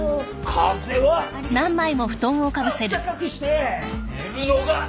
風邪はあったかくして寝るのが一番！